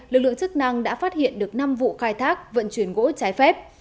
lực lượng chức năng đã phát hiện được năm vụ khai thác vận chuyển gỗ trái phép